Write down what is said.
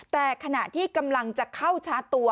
แต่ขณะที่กำลังจะเข้าชาร์จตัว